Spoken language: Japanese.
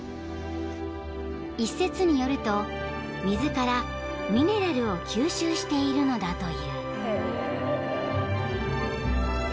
［一説によると水からミネラルを吸収しているのだという］